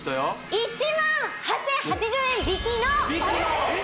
１８０８０円引きのえっ！？